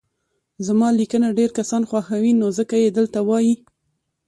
زما ليکنه ډير کسان خوښوي نو ځکه يي دلته وايي